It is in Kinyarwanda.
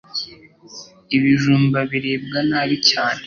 Ibijumba biribwa nabi cyane